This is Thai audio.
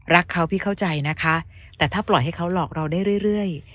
รักเขาพี่เข้าใจนะคะแต่ถ้าปล่อยให้เขาหลอกเราได้เรื่อย